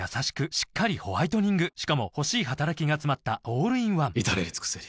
しっかりホワイトニングしかも欲しい働きがつまったオールインワン至れり尽せり